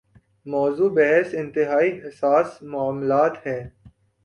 موضوع بحث انتہائی حساس معاملات ہیں۔